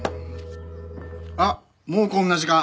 あっもうこんな時間！